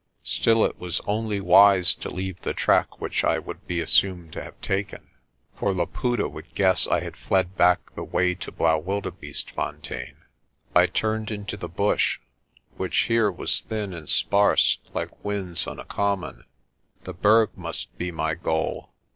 Still it was only wise to leave the track which I would be assumed to have taken, for Laputa would guess I had fled back the way to Blaauwildebeestefontein. I turned into the bush, which here was thin and sparse like whins on a common. The Berg must be my goal.